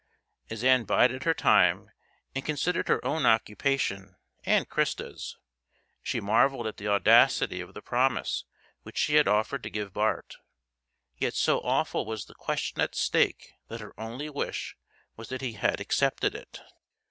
As Ann bided her time and considered her own occupation and Christa's, she marvelled at the audacity of the promise which she had offered to give Bart, yet so awful was the question at stake that her only wish was that he had accepted it.